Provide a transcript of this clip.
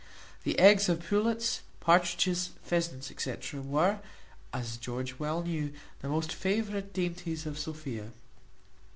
The eggs of pullets, partridges, pheasants, &c., were, as George well knew, the most favourite dainties of Sophia.